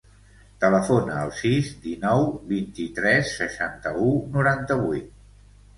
Telefona al sis, dinou, vint-i-tres, seixanta-u, noranta-vuit.